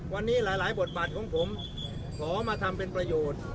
วันนี้หลายบทบาทของผมขอมาทำเป็นประโยชน์